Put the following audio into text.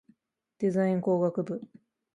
デザイン工学部